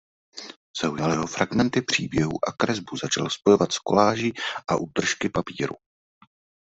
Zaujaly ho fragmenty příběhů a kresbu začal spojovat s koláží a útržky papírů.